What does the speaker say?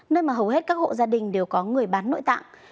nơi mà hầu hết các hộ gia đình đều có người bán nội tạng